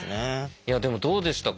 いやでもどうでしたか？